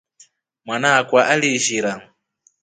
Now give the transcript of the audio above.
Mwana akwa aliishira.